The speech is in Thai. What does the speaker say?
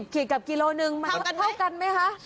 ๑๐ขีดกับกิโลหนึ่งเท่ากันไหมคะ